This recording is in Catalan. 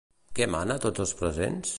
Què mana a tots els presents?